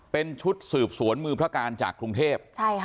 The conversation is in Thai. เป็นชุดสืบสวนมือพระการจากกรุงเทพ